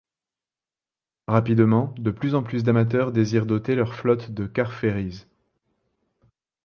Rapidement, de plus en plus d'armateurs désirent doter leur flotte de car-ferries.